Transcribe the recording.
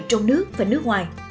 trong nước và nước ngoài